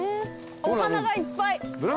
お花がいっぱい。